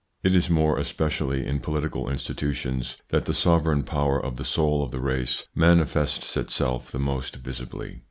It is more especially in political institutions that the sovereign power of the soul of the race manifests itself the most visibly.